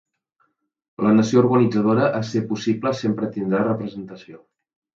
La nació organitzadora a ser possible, sempre tindrà representació.